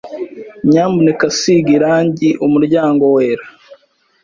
Nyamuneka siga irangi umuryango wera.